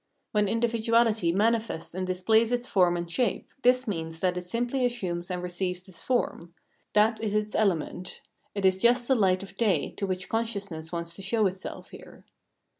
When individuahty manifests and displays its form and shape, this means that it simply assumes and receives this form; that is its element: it is just the hght of day, to which consciousness wants to show itself here.